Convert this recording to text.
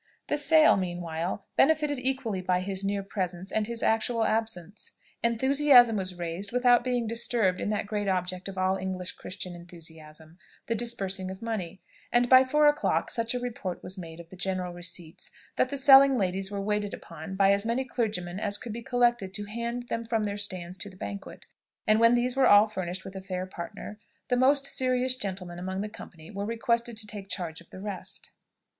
The sale, meanwhile, benefited equally by his near presence and his actual absence. Enthusiasm was raised without being disturbed in that great object of all English Christian enthusiasm the disbursing of money; and by four o'clock such a report was made of the general receipts, that the selling ladies were waited upon by as many clergymen as could be collected to hand them from their stands to the banquet, and, when these were all furnished with a fair partner, the most serious gentlemen among the company were requested to take charge of the rest.